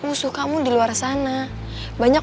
musuh kamu di luar sana banyak